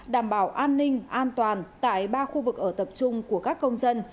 đảm bảo an ninh an toàn tại ba khu vực ở tập trung của các công dân